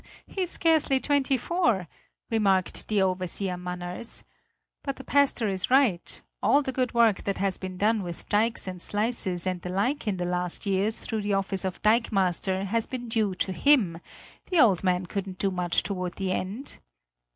"He is scarcely twenty four," remarked the overseer Manners; "but the pastor is right: all the good work that has been done with dikes and sluices and the like in the last years through the office of dikemaster has been due to him; the old man couldn't do much toward the end."